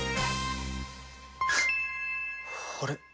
あれ？